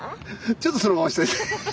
ちょっとそのままにしといて。